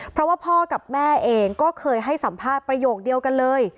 เพราะว่าพ่อกับแม่เองก็เคยให้สัมภาษณ์ประโยคเดียวกันเลย